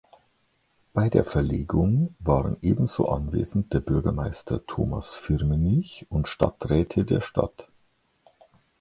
Bei der Verlegung waren ebenso anwesend der Bürgermeister Thomas Firmenich und Stadträte der Stadt.